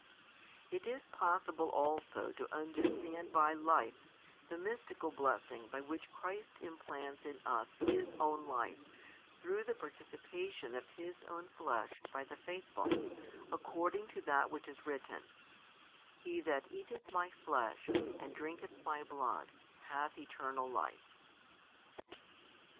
It is possible also to understand by "life" the mystical blessing by which Christ implants in us His own life through the participation of His own Flesh by the faithful, according to that which is written: He that eateth My Flesh and drinketh My Blood hath eternal life.